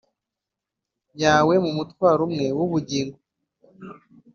yawe mu mutwaro umwe w ubugingo